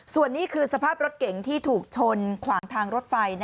ส่วนนี้คือสภาพรถเก๋งที่ถูกชนขวางทางรถไฟ